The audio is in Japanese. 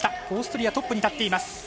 オーストリアトップに立っています。